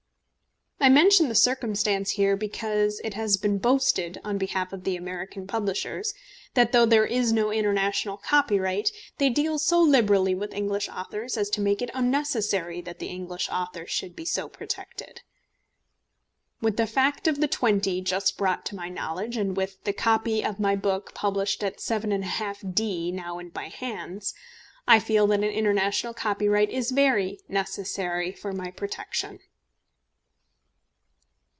I mention the circumstance here because it has been boasted, on behalf of the American publishers, that though there is no international copyright, they deal so liberally with English authors as to make it unnecessary that the English author should be so protected. With the fact of the £20 just brought to my knowledge, and with the copy of my book published at 7½d. now in my hands, I feel that an international copyright is very necessary for my protection.